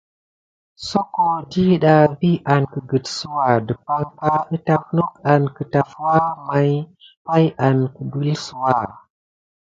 Soko diɗa vi an kəgəksouwa dəpaŋka ətaf nok an kətafwa may pay an kəpelsouwa.